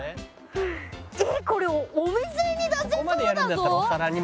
えっこれお店に出せそうだぞ。